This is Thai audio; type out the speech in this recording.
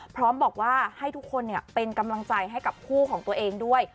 พร้อมบอกว่าให้ทุกคนเป็นกำลังใจให้กับคู่ของตัวเองด้วย